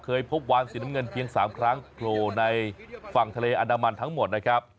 เคยพบวานสีน้ำเงินเพียง๓ครั้งโผล่ในฝั่งทะเลอันดามันทั้งหมดนะครับ